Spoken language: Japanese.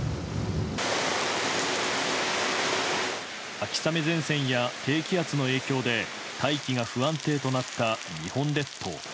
秋雨前線や低気圧の影響で大気が不安定となった日本列島。